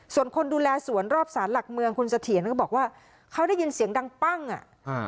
ส่วนคนดูแลสวนรอบศาลหลักเมืองคุณเสถียรก็บอกว่าเขาได้ยินเสียงดังปั้งอ่ะอ่า